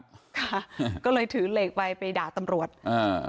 ค่ะก็เลยถือเหล็กไปไปด่าตำรวจอ่า